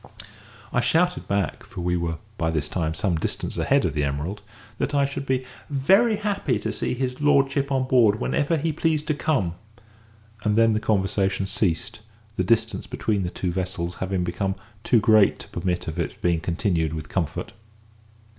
I shouted back (for we were by this time some distance ahead of the Emerald) that I should be happy to see his lordship on board whenever he pleased to come; and then the conversation ceased, the distance between the two vessels having become too great to permit of its being continued with comfort.